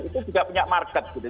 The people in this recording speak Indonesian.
itu juga punya market gitu